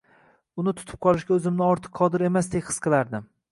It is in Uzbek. uni tutib qolishga o‘zimni ortiq qodir emasdek his qilardim...